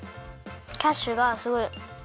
キャッシュがすごいあのあれ。